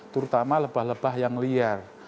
terutama lebah lebah yang liar